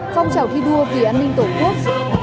phong trào thi đua vì an ninh tổ quốc